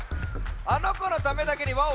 あのこのためだけに「ワオ！」